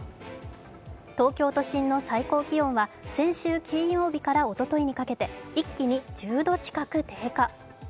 東京都心の最高気温は先週金曜日からおとといにかけて一気に１０度近く低下。